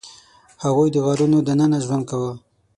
هغوی د غارونو دننه ژوند کاوه.